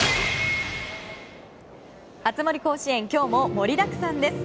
「熱盛甲子園」今日も盛りだくさんです。